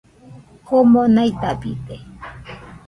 komo naidabide